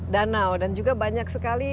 danau dan juga banyak sekali